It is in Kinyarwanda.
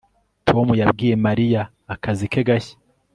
Tom yabwiye Mariya akazi ke gashya